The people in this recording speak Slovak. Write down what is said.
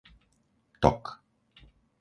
Tok